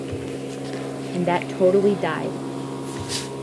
And that totally died.